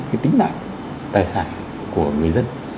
cái tính mạng tài sản của người dân